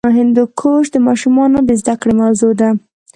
هندوکش د ماشومانو د زده کړې موضوع ده.